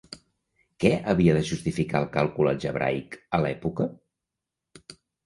Què havia de justificar el càlcul algebraic a l'època?